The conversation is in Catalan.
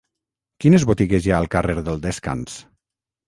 Quines botigues hi ha al carrer del Descans?